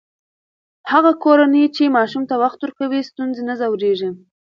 هغه کورنۍ چې ماشوم ته وخت ورکوي، ستونزې نه ژورېږي.